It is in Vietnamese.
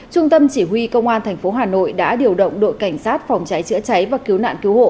trung tâm chỉ huy công an tp hà nội đã điều động đội cảnh sát phòng cháy chữa cháy và cứu nạn cứu hộ